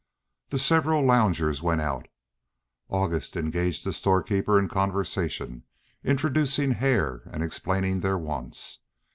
The several loungers went out; August engaged the storekeeper in conversation, introducing Hare and explaining their wants.